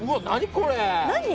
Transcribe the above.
これ？